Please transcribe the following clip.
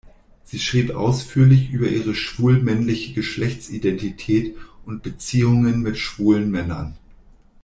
Sie schrieb ausführlich über ihre schwul-männliche Geschlechtsidentität und Beziehungen mit schwulen Männern.